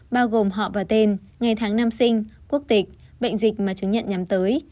bao gồm họ và tên ngày tháng năm sinh quốc tịch bệnh dịch mà chứng nhận nhắm tới